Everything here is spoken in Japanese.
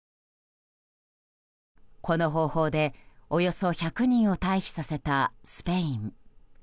この方法で、およそ１００人を退避させたスペイン。